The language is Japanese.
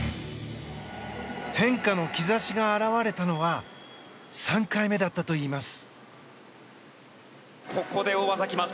変化の兆しが表れたのは３回目だったといいます。